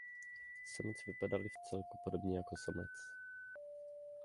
Samice vypadala vcelku podobně jako samec.